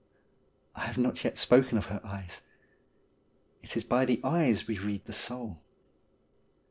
I have not yet spoken of her eyes. It is by the eyes we read the soul.